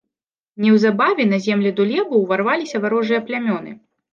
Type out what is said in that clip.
Неўзабаве на землі дулебаў уварваліся варожыя плямёны.